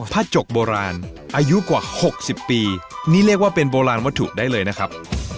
จกโบราณอายุกว่า๖๐ปีนี่เรียกว่าเป็นโบราณวัตถุได้เลยนะครับ